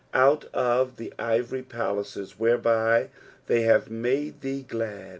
^'Out of the ivory mlaces, vshei ^ij they hate made ihee glad."